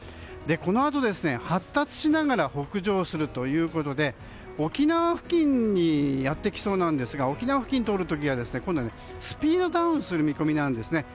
このあと発達しながら北上するということで沖縄付近にやってきそうなんで沖縄付近を通るころはスピードダウンする見込みです。